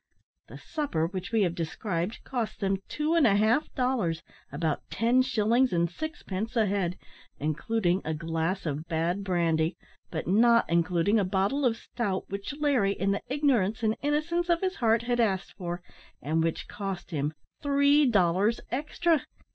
The supper, which we have described, cost them two and a half dollars about ten shillings and sixpence a head, including a glass of bad brandy; but not including a bottle of stout which Larry, in the ignorance and innocence of his heart, had asked for, and which cost him three dollars extra!